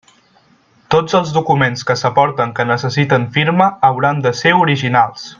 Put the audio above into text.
Tots els documents que s'aporten que necessiten firma hauran de ser originals.